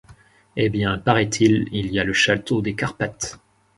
Eh bien, paraît-il, il y a le château des Carpathes.